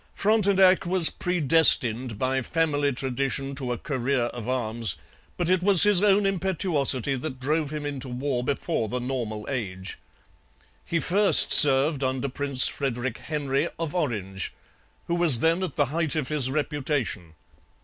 Frontenac was predestined by family tradition to a career of arms; but it was his own impetuosity that drove him into war before the normal age. He first served under Prince Frederick Henry of Orange, who was then at the height of his reputation.